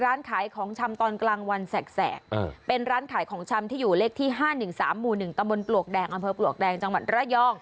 ร้านขายของชำตอนกลางวันแสกเป็นร้านขายของชำที่อยู่เลขที่๕๑๓หมู่๑ตำบลปลวกแดงอำเภอปลวกแดงจังหวัดระยอง